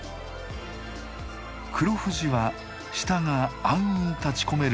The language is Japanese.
黒富士は下が暗雲立ちこめる